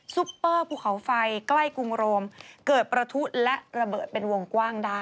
ซุปเปอร์ภูเขาไฟใกล้กรุงโรมเกิดประทุและระเบิดเป็นวงกว้างได้